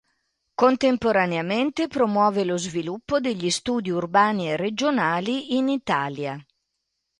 Contemporaneamente promuove lo sviluppo degli studi urbani e regionali in Italia.